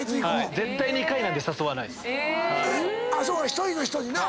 １人の人にな。